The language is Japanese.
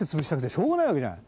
しょうがないわけじゃない。